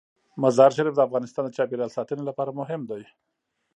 مزارشریف د افغانستان د چاپیریال ساتنې لپاره مهم دي.